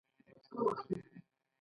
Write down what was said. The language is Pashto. هڅه وکړئ چې د جملو لوستل مو صحیح وي.